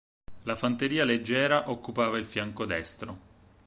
La fanteria leggera occupava il fianco destro.